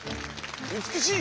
「うつくしい！